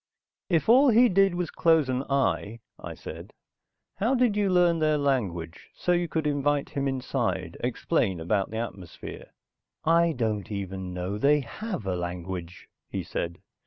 "If all he did was close an eye," I said. "How did you learn their language, so you could invite him inside, explain about the atmosphere?" "I don't even know they have a language," he said.